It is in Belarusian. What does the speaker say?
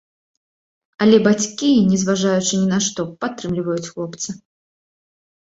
Але бацькі, не зважаючы ні на што, падтрымліваюць хлопца.